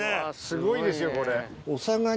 すごいですよこれ。